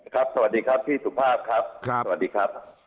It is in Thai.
ครับสวัสดีครับพี่สุภาพครับ